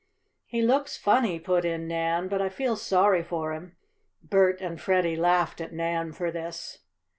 "He looks funny," put in Nan. "But I feel sorry for him." Bert and Freddie laughed at Nan for this.